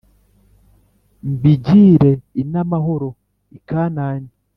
mbigire inamahano i kanani